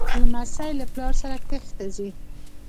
لمسی له پلار سره کښت ته ځي.